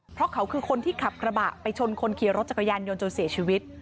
เพราะเขาคือคนที่ขับกระบะไปชนคนขี่รถจักรยานยนต์จนเสียชีวิต